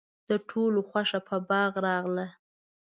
د ټولو خوښه په باغ راغله.